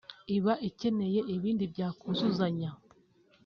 iba ikeneye ibindi byakuzuzanya